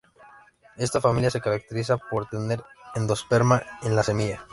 Esta familia se caracteriza por tener endosperma en la semilla.